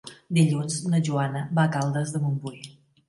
Dilluns na Joana va a Caldes de Montbui.